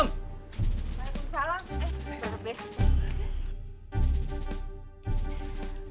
eh mbak be